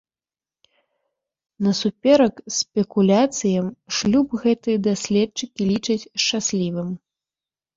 Насуперак спекуляцыям, шлюб гэты даследчыкі лічаць шчаслівым.